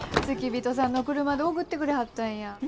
付き人さんの車で送ってくれはったんや。